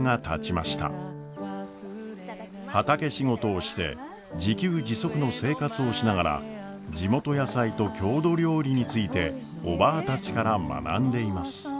畑仕事をして自給自足の生活をしながら地元野菜と郷土料理についておばぁたちから学んでいます。